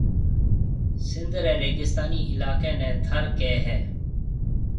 سنڌ رَي ريگستاني علائقيَ نيَ ٿر ڪيَ ھيََََ